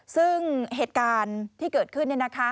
ซึ่งเหตุการณ์ที่เกิดขึ้น